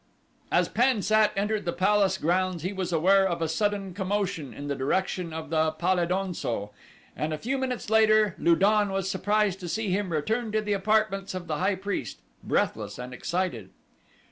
As Pan sat entered the palace grounds he was aware of a sudden commotion in the direction of the pal e don so and a few minutes later Lu don was surprised to see him return to the apartments of the high priest, breathless and excited.